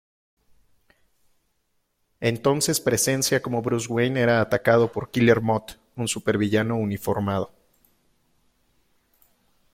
Entonces presencia como Bruce Wayne era atacado por Killer Moth, un supervillano uniformado.